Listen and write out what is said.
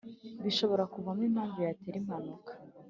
bishobora kuvamo impamvu yatera impanuka